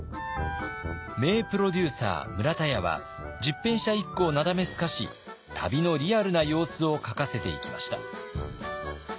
名プロデューサー村田屋は十返舎一九をなだめすかし旅のリアルな様子を書かせていきました。